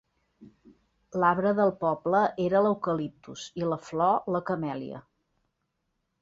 L'arbre del poble era l'eucaliptus i la flor, la camèlia.